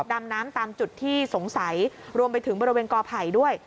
ดำน้ำตามจุดที่สงสัยรวมไปถึงบริเวณกอไผ่ด้วย